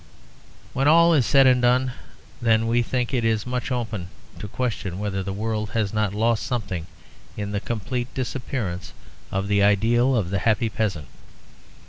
When all is said and done, then, we think it much open to question whether the world has not lost something in the complete disappearance of the ideal of the happy peasant.